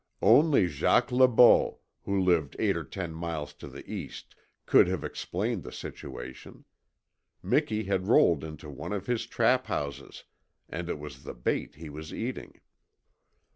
Only Jacques Le Beau, who lived eight or ten miles to the east, could have explained the situation. Miki had rolled into one of his trap houses, and it was the bait he was eating.